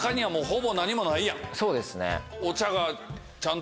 そうですね。